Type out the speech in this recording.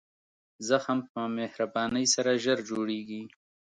زخم په مهربانۍ سره ژر جوړېږي.